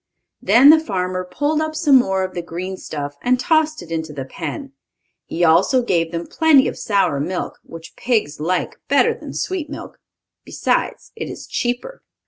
Then the farmer pulled up some more of the green stuff, and tossed it into the pen. He also gave them plenty of sour milk, which pigs like better than sweet milk. Besides, it is cheaper.